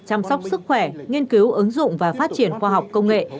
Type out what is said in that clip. chăm sóc sức khỏe nghiên cứu ứng dụng và phát triển khoa học công nghệ